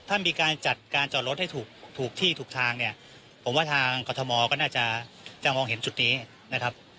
ถ้ามีการจัดการจอดรถให้ถูกที่ถูกทางเนี่ยผมว่าทางกรทมก็น่าจะมองเห็นจุดนี้นะครับ